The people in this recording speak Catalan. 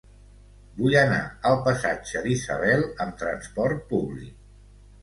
Vull anar al passatge d'Isabel amb trasport públic.